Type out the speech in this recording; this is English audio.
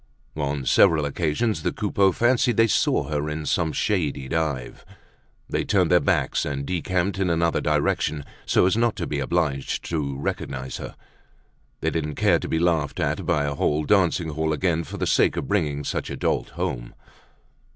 On several occasions the Coupeaus fancied they saw her in some shady dive. They turned their backs and decamped in another direction so as not to be obliged to recognize her. They didn't care to be laughed at by a whole dancing hall again for the sake of bringing such a dolt home.